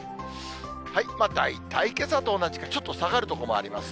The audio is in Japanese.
大体けさと同じか、ちょっと下がる所もあります。